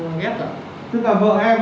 lấy giấy của vợ cho em xem